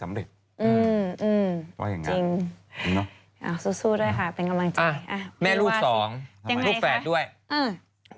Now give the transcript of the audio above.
แม่ชมไงลูกสาวกันนี่